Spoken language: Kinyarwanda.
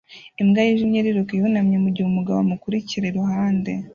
Imbwa yijimye iriruka ihanamye mugihe umugabo amukurikira iruhande